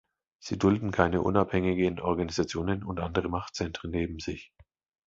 Sie dulden keine unabhängigen Organisationen und andere Machtzentren neben sich.